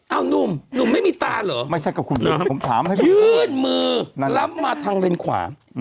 เอานุ่มนุ่มไม่มีตาเหรอยืนมือรับมาทางเลนส์ขวา